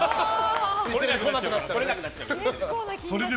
来れなくなっちゃうので。